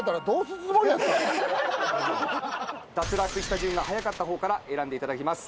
脱落した順が早かった方から選んでいただきます。